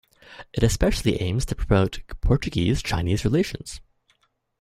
It especially aims to promote Portuguese-Chinese relations.